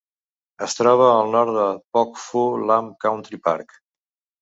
Es troba al nord del Pok Fu Lam Country Park.